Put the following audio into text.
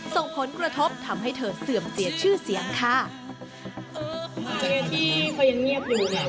ส่งผลกระทบทำให้เธอเสื่อมเสียชื่อเสียงค่ะ